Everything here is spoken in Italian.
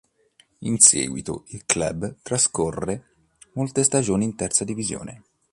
In seguito il club trascorre molte stagioni in terza divisione.